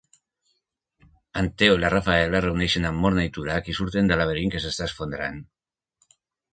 En Theo i la Raphaella es reuneixen amb Morna i Turag i surten del laberint que s"està esfondrant.